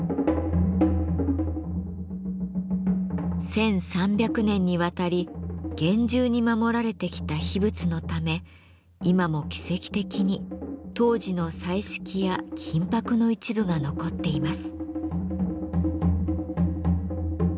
１，３００年にわたり厳重に守られてきた秘仏のため今も奇跡的に当時の彩色や金箔の一部が残っています。